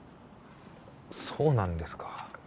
そうなんですか